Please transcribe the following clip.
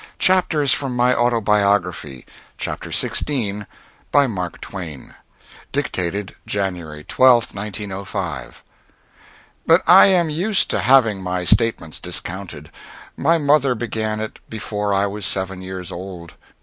CHAPTERS FROM MY AUTOBIOGRAPHY. XVI. BY MARK TWAIN. [Dictated January 12th, 1905.] ... But I am used to having my statements discounted. My mother began it before I was seven years old.